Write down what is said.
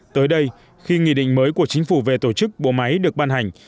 tới đây khi nghị định mới của chính phủ về tổ chức bộ máy được ban hành